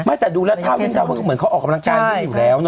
ไม่แต่ดูรองเท้าเหมือนเขาออกกำลังการอยู่แล้ว